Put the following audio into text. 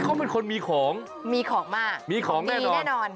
เขาเป็นคนมีของมีของมากมีของมากมีแน่นอน